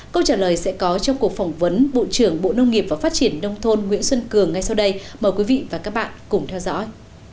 câu trả lời sẽ có trong cuộc phỏng vấn bộ trưởng bộ nông nghiệp và phát triển nông thôn nguyễn xuân cường ngay sau đây mời quý vị và các bạn cùng theo dõi